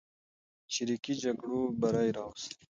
چریکي جګړو بری راوست.